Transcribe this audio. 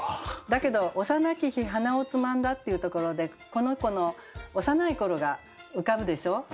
だけど「幼き日鼻をつまんだ」っていうところでこの子の幼い頃が浮かぶでしょ。